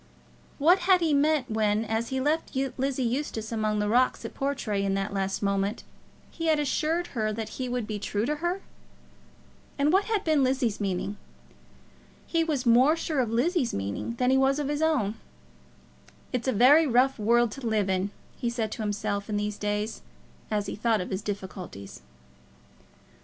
What had he meant when, as he left Lizzie Eustace among the rocks at Portray, in that last moment, he had assured her that he would be true to her? And what had been Lizzie's meaning? He was more sure of Lizzie's meaning than he was of his own. "It's a very rough world to live in," he said to himself in these days as he thought of his difficulties.